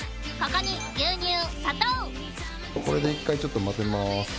これで一回ちょっと混ぜます。